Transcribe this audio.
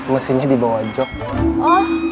dulu dulu udah gitu kita